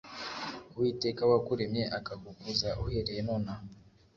uwiteka wakuremye akagukuza uhereye nonaha